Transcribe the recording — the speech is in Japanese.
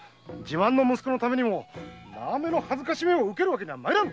息子のためにも縄目の辱めを受けるわけにはまいらぬ。